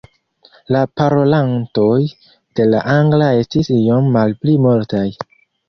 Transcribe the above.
La parolantoj de la angla estis iom malpli multaj.